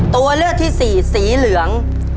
ตัวเลือกที่สี่สีเหลือง